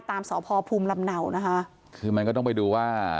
สพภูมิลำเนานะคะคือมันก็ต้องไปดูว่า